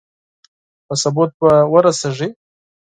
په ثبوت به ورسېږي.